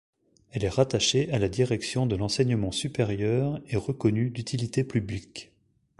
Elle est rattachée à la direction de l’Enseignement supérieur et reconnue d’utilité publique.